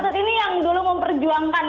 om putut ini yang dulu memperjuangkan